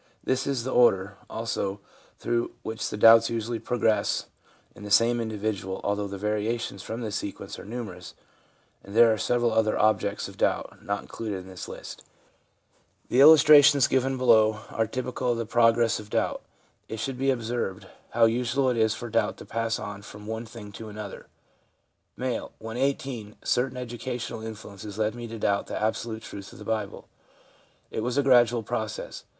This is the order, also, through which the doubts usually progress in the same individual, although the variations from this sequence are numerous, and there are several other objects of doubt not included in this list. The illus ADOLESCENCE DOUBT 237 trations given below are typical of the progress of doubt. It should be observed how usual it is for doubt to pass on from one thing to another. M. 'When 18 certain educational influences led me to doubt the absolute truth of the Bible. It was a gradual process.